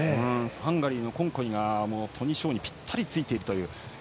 ハンガリーのコンコイがトニ・ショーにぴったりついている。